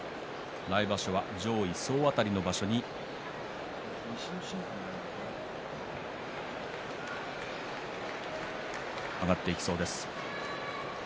来場所は上位総当たりの番付に上がっていきそうです。